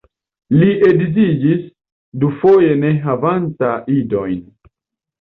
Li edziĝis dufoje ne havanta idojn.